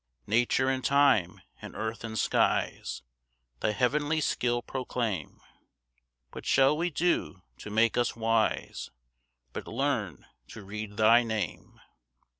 5 Nature and time, and earth and skies, Thy heavenly skill proclaim: What shall we do to make us wise, But learn to read thy Name?